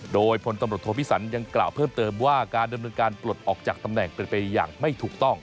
โดยพลตำรวจโทพิสันยังกล่าวเพิ่มเติมว่าการดำเนินการปลดออกจากตำแหน่งเป็นไปอย่างไม่ถูกต้อง